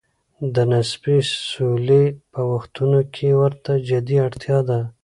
د نسبي سولې په وختونو کې ورته جدي اړتیا ده.